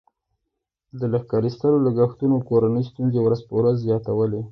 د لښکر ایستلو لګښتونو کورنۍ ستونزې ورځ په ورځ زیاتولې.